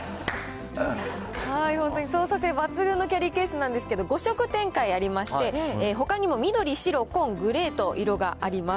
本当に操作性抜群のキャリーケースなんですけど、５色展開ありまして、ほかにも緑、白、紺、グレーと色があります。